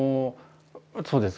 そうです。